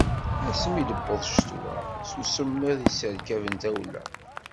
Asmi i d-tewweḍ ccetwa, s usemmiḍ i yesserkaben tawla.